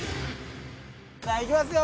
さあいきますよ。